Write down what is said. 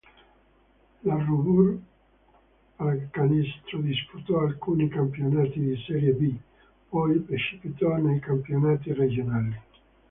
La Robur pallacanestro disputò alcuni campionati di Serie B, poi precipitò nei campionati regionali.